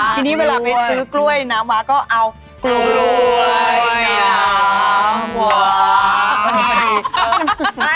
ทีนี้เวลาไปซื้อกล้วยน้ำว้าก็เอากล้วยน้ำ